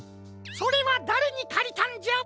それはだれにかりたんじゃ？